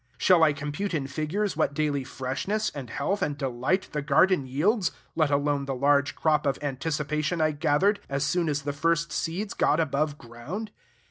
Shall I compute in figures what daily freshness and health and delight the garden yields, let alone the large crop of anticipation I gathered as soon as the first seeds got above ground?